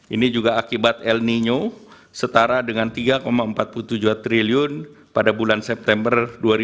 ini juga akibat el nino setara dengan tiga empat puluh tujuh triliun pada bulan september dua ribu dua puluh